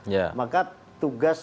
ya maka tugas